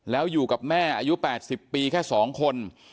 แล้วอยู่กับแม่อายุ๘๐ปีแค่๒คน